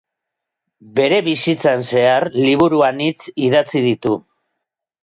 Bere bizitzan zehar liburu anitz idatzi ditu.